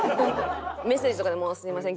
メッセージとかでも「すみません。